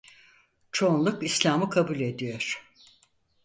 Çoğunluk İslam'ı kabul ediyor.